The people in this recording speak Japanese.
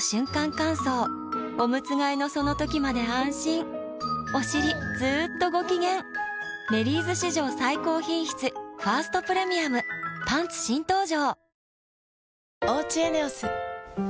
乾燥おむつ替えのその時まで安心おしりずっとご機嫌「メリーズ」史上最高品質「ファーストプレミアム」パンツ新登場！